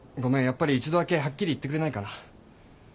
やっぱり一度だけはっきり言ってくれないかな。